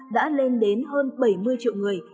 đã lên đến hơn bảy mươi triệu người